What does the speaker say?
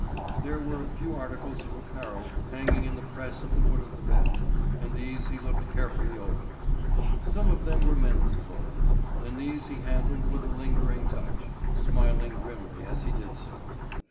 There were a few articles of apparel hanging in the press at the foot of the bed, and these he looked carefully over. Some of them were men's clothes, and these he handled with a lingering touch, smiling grimly as he did so.